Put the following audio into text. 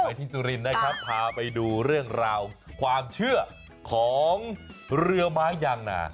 ที่สุรินทร์นะครับพาไปดูเรื่องราวความเชื่อของเรือไม้ยางนา